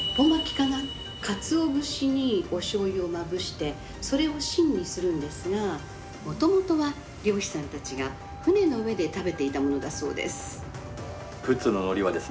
かつお節におしょうゆをまぶしてそれを芯にするんですがもともとは漁師さんたちが船の上で食べていたものだそうです。